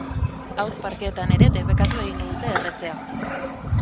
Haur parkeetan ere debekatu egingo dute erretzea.